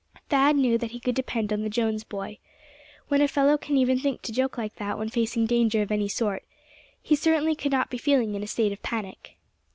Thad knew that he could depend on the Jones boy. When a fellow can even think to joke like that when facing danger of any sort, he certainly could not be feeling in a state of panic.